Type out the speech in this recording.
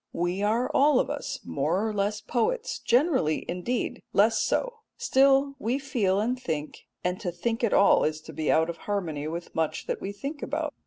We are all of us more or less poets generally, indeed, less so; still we feel and think, and to think at all is to be out of harmony with much that we think about.